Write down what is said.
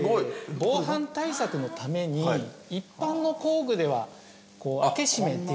防犯対策のために一般の工具では開け閉めできない。